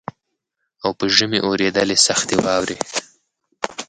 او په ژمي اورېدلې سختي واوري